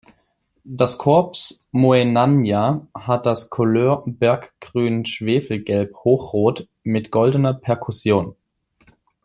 Das Corps Moenania hat das Couleur „berggrün-schwefelgelb-hochrot“ mit goldener Perkussion.